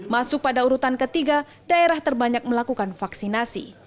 masuk pada urutan ketiga daerah terbanyak melakukan vaksinasi